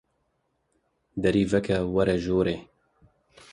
Derî veke û were jorê